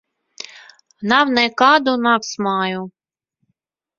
Nav nekādu naktsmāju.